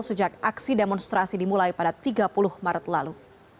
sejak aksi demonstrasi dimulai pada tiga puluh maret lalu